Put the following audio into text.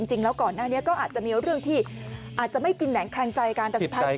จริงแล้วก่อนหน้านี้ก็อาจจะมีเรื่องที่อาจจะไม่กินแหลงแคลงใจกันแต่สุดท้าย